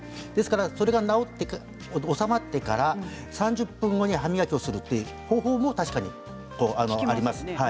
それが治まってから３０分後に歯磨きをするという方法も確かにあります。